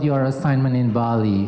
tugas anda di bali